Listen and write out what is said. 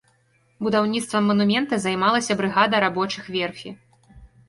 Будаўніцтвам манумента займалася брыгада рабочых верфі.